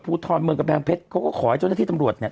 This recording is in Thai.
ภูทรเมืองกำแพงเพชรเขาก็ขอให้เจ้าหน้าที่ตำรวจเนี่ย